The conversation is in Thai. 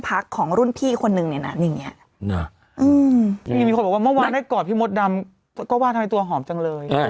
ยังมีคนบอกว่าหมื่อเมื่อหวังได้ก่อพี่มดดำก็ว่าทำไมตัวหอมจังเลย